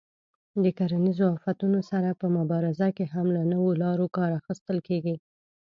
د کرنیزو آفتونو سره په مبارزه کې هم له نویو لارو کار اخیستل کېږي.